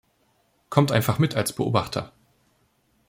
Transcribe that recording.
Kommt einfach mit als Beobachter.